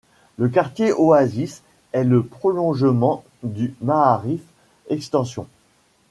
Le quartier Oasis est le prolongement du Maârif Extension.